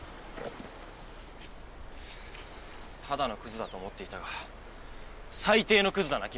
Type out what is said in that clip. ただのクズだと思っていたが最低のクズだな君たちは。